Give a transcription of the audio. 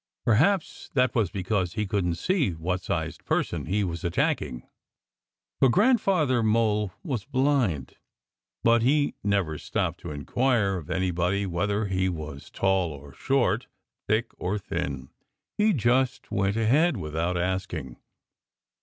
Perhaps that was because he couldn't see what sized person he was attacking. For Grandfather Mole was blind. But he never stopped to inquire of anybody whether he was tall or short, thick or thin. He just went ahead without asking.